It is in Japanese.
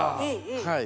はい。